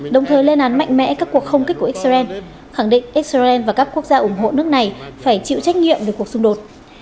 đồng thời lên án mạnh mẽ các cuộc không kích của israel khẳng định israel và các quốc gia ủng hộ nước này phải chịu trách nhiệm về cuộc xung đột